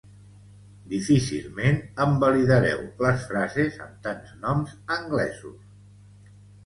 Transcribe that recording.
Difícilment em validareu les frases amb tants noms anglesos